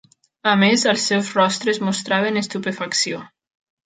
A més, els seus rostres mostraven estupefacció.